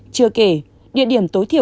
chưa kể địa điểm tối thiện